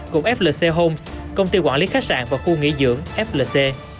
cục flc homes công ty quản lý khách sạn và khu nghỉ dưỡng flc